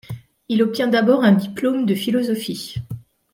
Il obtient d'abord un diplôme de philosophie.